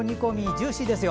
ジューシーですよ。